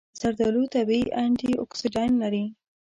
زردآلو طبیعي انټياکسیدان لري.